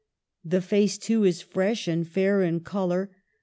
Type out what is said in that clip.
The face, too, is fresh and fair in color.